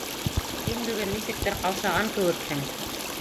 Һин бөгөн нисектер ҡаушаған кеүекһең.